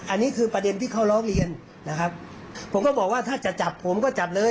อันนี้คือประเด็นที่เขาร้องเรียนนะครับผมก็บอกว่าถ้าจะจับผมก็จับเลย